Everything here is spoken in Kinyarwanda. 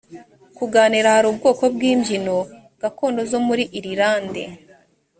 kuganira hari ubwoko bw imbyino gakondo zo muri irilande